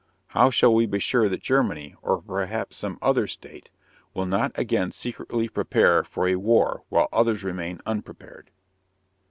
How shall we be sure that Germany, or perhaps some other state, will not again secretly prepare for a war while others remain unprepared?